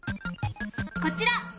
こちら！